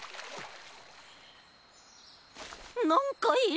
なんかいる！